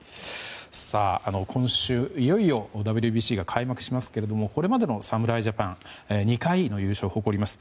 今週、いよいよＷＢＣが開幕しますがこれまでの侍ジャパン２回の優勝を誇ります。